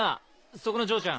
そこの嬢ちゃん